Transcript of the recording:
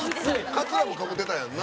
カツラもかぶってたやんな？